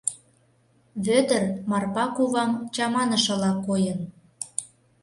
Вӧдыр Марпа кувам чаманышыла койын.